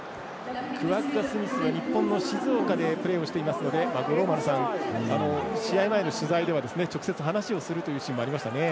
クワッガ・スミスは日本の静岡でプレーしていますので五郎丸さん、試合前の取材では直接話をするシーンもありましたね。